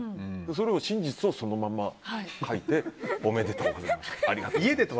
それを真実をそのまま書いておめでとうございますと。